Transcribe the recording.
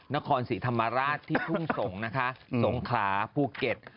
นครศรีธรรมาราชที่พุ่งสงศ์สงคราภูเก็ต